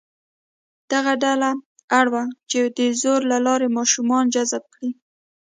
دغه ډله اړ وه چې د زور له لارې ماشومان جذب کړي.